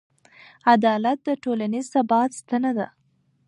عدالت د ټولنیز ثبات ستنه ده.